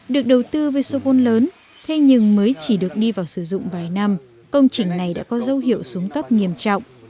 được đầu tư với số vốn lớn thế nhưng mới chỉ được đi vào sử dụng vài năm công trình này đã có dấu hiệu xuống cấp nghiêm trọng